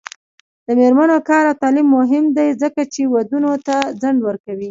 د میرمنو کار او تعلیم مهم دی ځکه چې ودونو ته ځنډ ورکوي.